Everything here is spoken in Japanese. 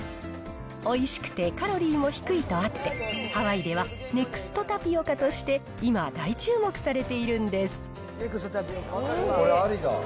おいしくてカロリーも低いとあって、ハワイではネクストタピオカとして今、これ、ありだ。